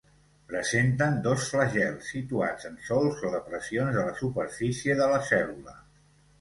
Presenten dos flagels, situats en solcs o depressions de la superfície de la cèl·lula.